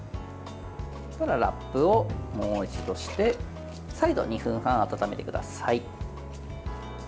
そうしたらラップをもう一度して再度、２分半温めてください。